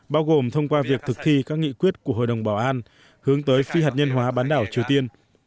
bao gồm thông qua việc thực thi các nghị quyết của hội đồng bảo an hướng tới phi hạt nhân hóa bán đảo triều tiên